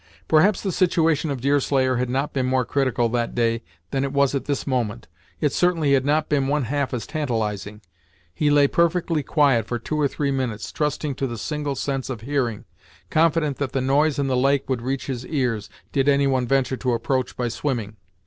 Perhaps the situation of Deerslayer had not been more critical that day than it was at this moment. It certainly had not been one half as tantalizing. He lay perfectly quiet for two or three minutes, trusting to the single sense of hearing, confident that the noise in the lake would reach his ears, did any one venture to approach by swimming.